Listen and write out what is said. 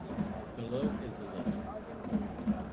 Below is a list.